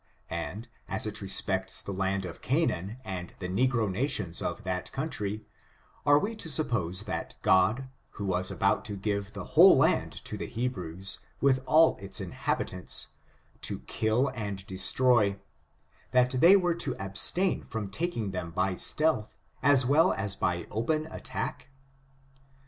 And, as it respects the land of Canaan and the negro nations of that country, are we to suppose that God, who was about to give the whole land to the Hebrews, with all its inhabitants, to ]^ill and destroy, that they were to ab stain from taking them by stealth, as well as by open attack